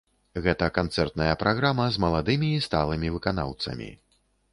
Гэта канцэртная праграма з маладымі і сталымі выканаўцамі.